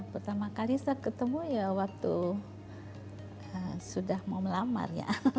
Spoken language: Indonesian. pertama kali saya ketemu ya waktu sudah mau melamar ya